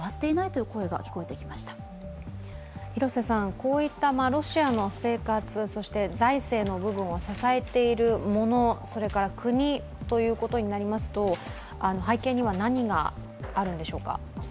こういったロシアの生活、そして財政の部分を支えているもの、それから国ということになりますと背景には何があるんでしょうか？